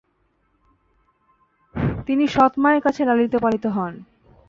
তিনি সৎ মায়ের কাছে লালিত পালিত হন।